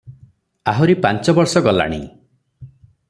ଆହୁରି ପାଞ୍ଚବର୍ଷ ଗଲାଣି ।